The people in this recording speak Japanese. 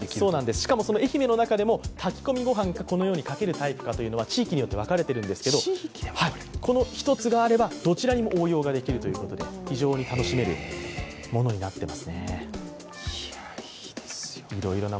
しかも、愛媛の中でも炊き込み御飯か、かけるタイプかは地域によって分かれているんですけど、この１つがあれば、どちらにも応用できるということで非常に楽しめるものになってます。